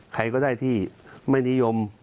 ใครก็ได้ที่ไม่นิยม